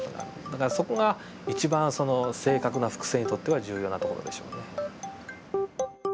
だからそこが一番正確な複製にとっては重要なところでしょうね。